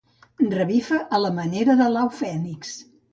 Revifa a la manera de l'au Fènix.